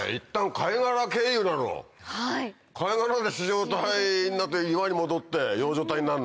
貝殻で糸状体になって岩に戻って葉状体になるの？